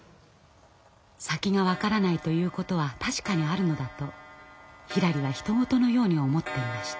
先が分からないということは確かにあるのだとひらりはひと事のように思っていました。